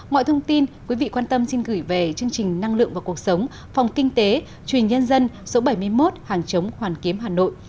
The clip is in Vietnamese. mọi thông tin quý vị quan tâm xin gửi về chương trình năng lượng và cuộc sống phòng kinh tế truyền nhân dân số bảy mươi một hàng chống hoàn kiếm hà nội